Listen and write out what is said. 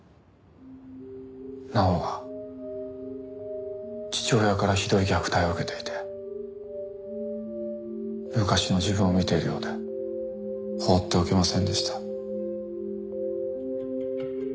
奈緒は父親からひどい虐待を受けていて昔の自分を見ているようで放っておけませんでした。